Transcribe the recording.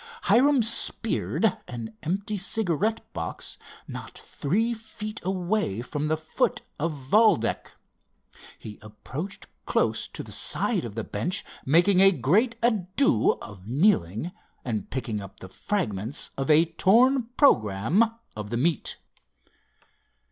Hiram speared an empty cigarette box not three feet away from the foot of Valdec. He approached close to the side of the bench making a great ado of kneeling, and picking up the fragments of a torn programme of the meet.